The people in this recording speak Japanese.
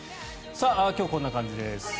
今日、こんな感じです。